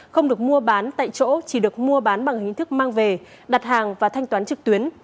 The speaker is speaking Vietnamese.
không được mua bán tại chỗ chỉ được mua bán bằng hình thức mang về đặt hàng và thanh toán trực tuyến